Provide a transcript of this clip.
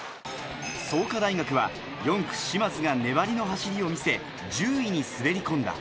創価大学は４区・嶋津が粘りの走りを見せ、１０位に滑り込んだ。